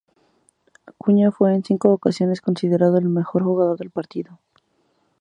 Acuña fue en cinco ocasiones considerado el mejor jugador del partido.